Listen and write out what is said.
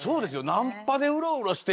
ナンパでうろうろして